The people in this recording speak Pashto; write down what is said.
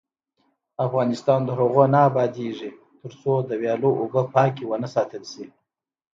افغانستان تر هغو نه ابادیږي، ترڅو د ویالو اوبه پاکې ونه ساتل شي.